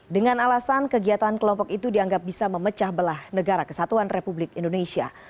dengan alasan kegiatan kelompok itu dianggap bisa memecah belah negara kesatuan republik indonesia